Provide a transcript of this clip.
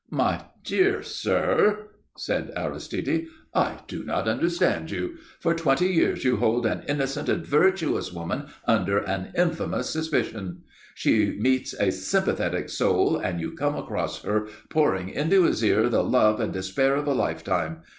"My dear sir," said Aristide, "I do not understand you. For twenty years you hold an innocent and virtuous woman under an infamous suspicion. She meets a sympathetic soul, and you come across her pouring into his ear the love and despair of a lifetime.